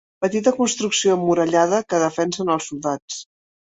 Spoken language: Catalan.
Petita construcció emmurallada que defensen els soldats.